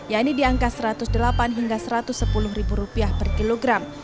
yakni di angka satu ratus delapan hingga satu ratus sepuluh ribu rupiah per kilogram